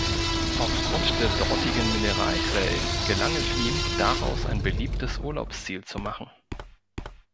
Aufgrund der dortigen Mineralquellen gelang es ihm, daraus ein beliebtes Urlaubsziel zu machen.